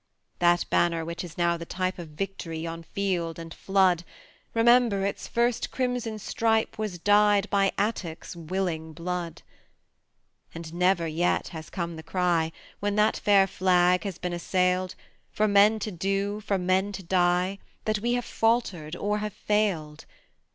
That Banner which is now the type Of victory on field and flood Remember, its first crimson stripe Was dyed by Attucks' willing blood. And never yet has come the cry When that fair flag has been assailed For men to do, for men to die, That have we faltered or have failed.